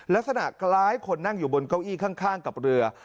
ลักษณะคล้ายคนนั่งอยู่บนเก้าอี้ข้างกับเรือ